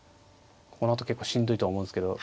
このあと結構しんどいとは思うんですけど。